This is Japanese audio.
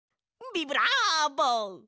ビブラボ！